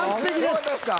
よかったですか？